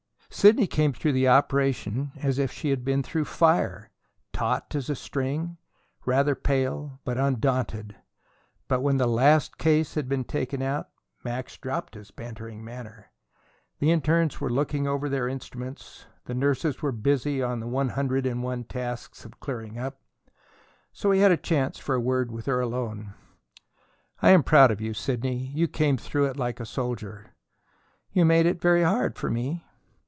Sidney came through the operation as if she had been through fire taut as a string, rather pale, but undaunted. But when the last case had been taken out, Max dropped his bantering manner. The internes were looking over instruments; the nurses were busy on the hundred and one tasks of clearing up; so he had a chance for a word with her alone. "I am proud of you, Sidney; you came through it like a soldier." "You made it very hard for me."